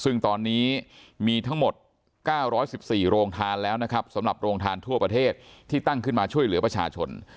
ซึ่งตอนนี้มีทั้งหมด๙๑๔โรงทานแล้วนะครับสำหรับโรงทานทั่วประเทศที่ตั้งขึ้นมาช่วยเหลือประชาชน